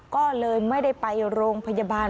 ก็เลยไม่ได้ไปโรงพยาบาล